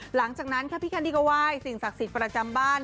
หลังจากนั้นค่ะพี่แคนดี้ก็ไหว้สิ่งศักดิ์สิทธิ์ประจำบ้าน